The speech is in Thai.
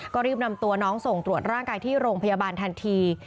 ก็รีบนำตัวน้องส่งตรวจร่างกายที่โรงพยาบาลทันที